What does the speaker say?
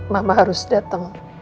mama harus datang